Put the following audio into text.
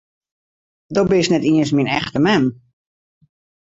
Do bist net iens myn echte mem!